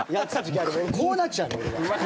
こうなっちゃうんだ、俺は。